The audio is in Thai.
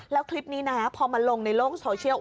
แล้วคลิปนี้นะพอมาลงในโลกโซเชียล